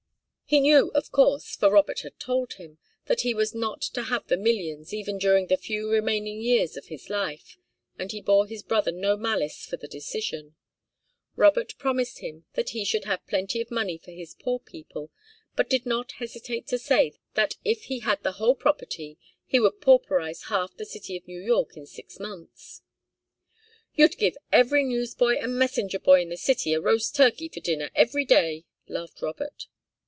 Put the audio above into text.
He knew, of course, for Robert had told him, that he was not to have the millions even during the few remaining years of his life, and he bore his brother no malice for the decision. Robert promised him that he should have plenty of money for his poor people, but did not hesitate to say that if he had the whole property he would pauperize half the city of New York in six months. "You'd give every newsboy and messenger boy in the city a roast turkey for dinner every day," laughed Robert.